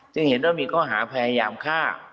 เห็นว่ามีข้อหาพยายามฆ่า